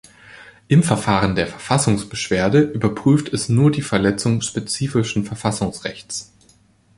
Im Verfahren der Verfassungsbeschwerde überprüft es nur die Verletzung „spezifischen Verfassungsrechts“.